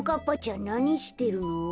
んなにしてるの？